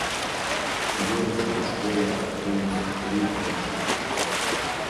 У верасні ў школе адкрыюцца тры першыя класы.